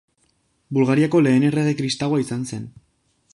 Bulgariako lehen errege kristaua izan zen.